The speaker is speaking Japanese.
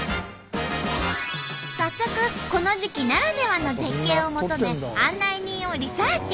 早速この時期ならではの絶景を求め案内人をリサーチ。